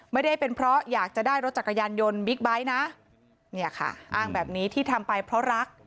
ไม่ได้เป็นเพราะอยากจะได้รถจักรยานยนต์บิ๊กไบท์นะเนี่ยค่ะอ้างแบบนี้ที่ทำไปเพราะรัก